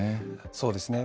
そうですね。